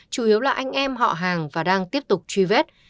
chủ yếu là anh em họ hàng và đang tiếp tục truy vết